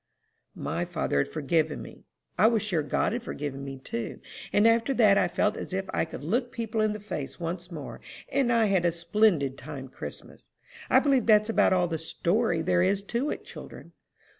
"My father had forgiven me: I was sure God had forgiven me too; and after that, I felt as if I could look people in the face once more, and I had a splendid time Christmas. I believe that's about all the story there is to it, children."